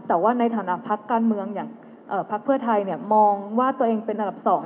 แต่ว่าในฐานะภาคการเมืองอย่างภาคเพื่อไทยเนี่ยมองว่าตัวเองเป็นอันดับสอง